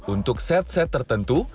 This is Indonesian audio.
untuk set set tertentu